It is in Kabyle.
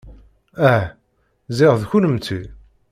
Ah, ziɣ d kennemti.